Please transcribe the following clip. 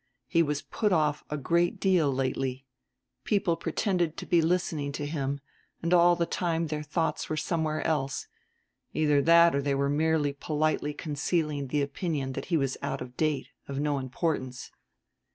He was put off a great deal lately; people pretended to be listening to him, and all the time their thoughts were somewhere else, either that or they were merely politely concealing the opinion that he was out of date, of no importance.